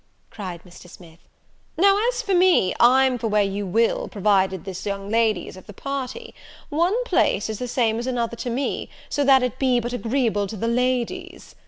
cried Mr. Smith. "Now, as for me, I'm for where you will, provided this young lady is of the party; one place is the same as another to me, so that it be but agreeable to the ladies.